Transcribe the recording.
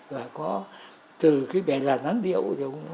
và có từ cái bẻ lạt nắn điệu